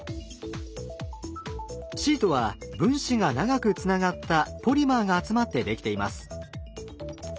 シートは分子が長くつながったポリマーが集まってできています。